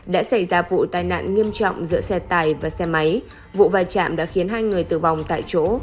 đã xảy ra vụ tai nạn nghiêm trọng giữa xe tài và xe máy vụ vai trạm đã khiến hai người tử vong tại chỗ